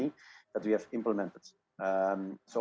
yang telah kami implementasikan